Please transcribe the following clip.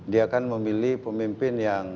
dia kan memilih pemimpin yang